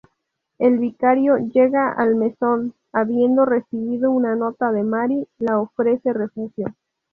El vicario llega al mesón, habiendo recibido una nota de Mary la ofrece refugio.